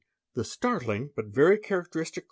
The "startling but very characteristic"?